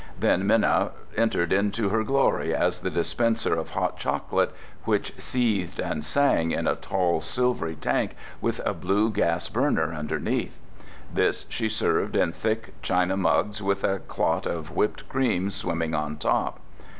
Then Minna entered into her glory as the dispenser of hot chocolate which seethed and sang in a tall silvery tank with a blue gas burner underneath. This she served in thick china mugs with a clot of whipped cream swimming on top.